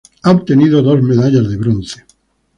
Ha obtenido dos medallas de bronce.